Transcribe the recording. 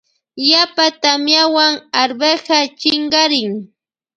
Yapa tamiawan arveja chinkarin.